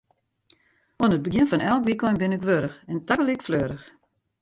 Oan it begjin fan elk wykein bin ik warch en tagelyk fleurich.